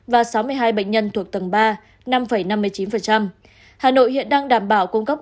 và sáu mươi hai bệnh nhân thuộc tầng ba năm năm mươi chín hà nội hiện đang đảm bảo cung cấp